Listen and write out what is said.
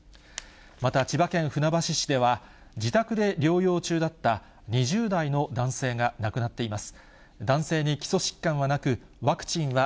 また千葉県船橋市では、自宅で療養中だった２０代の男性が亡くなっています。